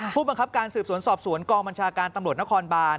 ผู้บังคับการสืบสวนสอบสวนกองบัญชาการตำรวจนครบาน